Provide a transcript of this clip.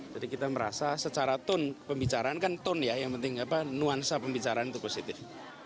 jadi kita merasa secara tone pembicaraan kan tone ya yang penting nuansa pembicaraan itu positif